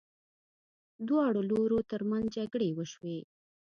دواړو لورو ترمنځ جګړې وشوې.